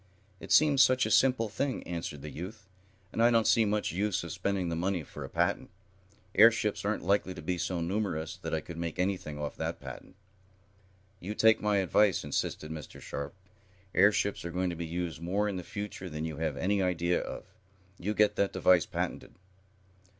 "It seems such a simple thing," answered the youth. "And I don't see much use of spending the money for a patent. Airships aren't likely to be so numerous that I could make anything off that patent." "You take my advice," insisted Mr. Sharp. "Airships are going to be used more in the future than you have any idea of. You get that device patented."